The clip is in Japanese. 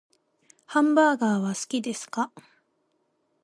ハンバーガーは好きですか？